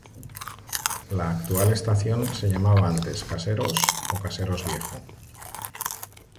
La actual estación se llamaba antes "Caseros" o "Caseros Viejo".